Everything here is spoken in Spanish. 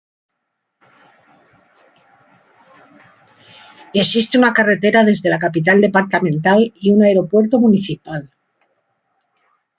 Existe una carretera desde la capital departamental y un aeropuerto municipal.